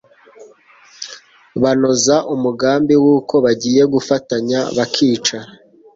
banoza umugambi wuko bagiye gufatanya bakica